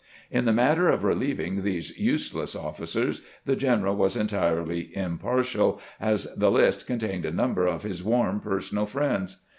In the matter of relieving these useless officers the general was entirely impartial, as the list contained a number of his warm personal friends.